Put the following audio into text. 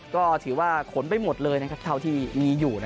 ก็ถือว่าขนไปหมดเลยเท่าที่มีอยู่